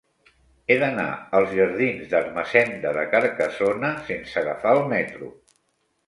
He d'anar als jardins d'Ermessenda de Carcassona sense agafar el metro.